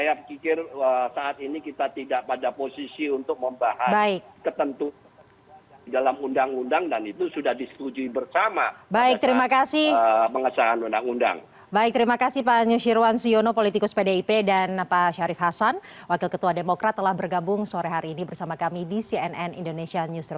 bentuk untuk ubang bentuk raketimu kami dengan sirum nanti juga di awal yang ber ta serangan mengerjakan unlap wabak baik terima kasihima nyusir sungguh nangani dok hotel virgo kpdancarief hassan waktu ketua demokrat kpdresimu n destinum hindi siada dan indagement